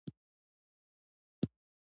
پښتو د پوهې وسیله ده.